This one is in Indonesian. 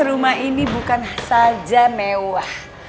rumah ini bukan saja mewah